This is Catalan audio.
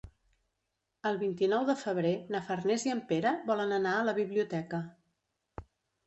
El vint-i-nou de febrer na Farners i en Pere volen anar a la biblioteca.